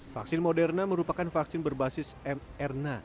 vaksin moderna merupakan vaksin berbasis mrna